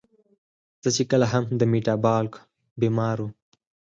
زۀ چې کله هم د ميټابالک بيمارو